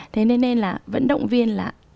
thế nên là vẫn động viên là